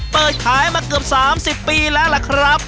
เปิดขายมาเกือบ๓๐ปีแล้วล่ะครับ